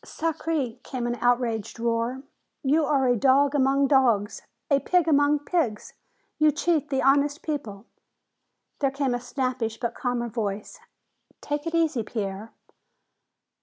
"Sacré!" came an outraged roar. "You are a dog among dogs! A pig among pigs! You cheat the honest people!" There came a snappish but calmer voice. "Take it easy, Pierre."